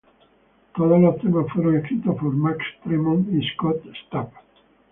Todos los temas fueron escritos por Mark Tremonti y Scott Stapp.